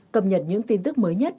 cập nhật những tin tức mới nhất